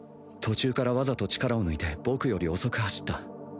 途中からわざと力を抜いて僕より遅く走った